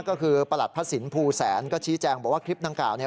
ก็คือประหลัดพระสินภูแสนก็ชี้แจงบอกว่าคลิปดังกล่าวเนี่ย